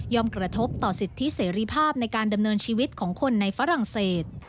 กระทบต่อสิทธิเสรีภาพในการดำเนินชีวิตของคนในฝรั่งเศส